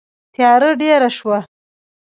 تیاره ډېره شوه.